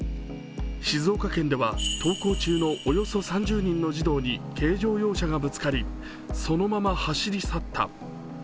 静岡県では登校中のおよそ３０人の児童に軽乗用車がぶつかりそのまま走り去った。